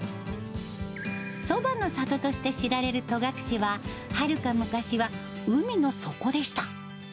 そばの里として知られる戸隠は、はるか昔は海の底でした。